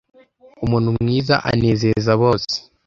umuntu mwiza anezeza bose